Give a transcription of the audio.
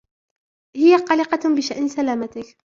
هي قلقة بشأن سلامتك.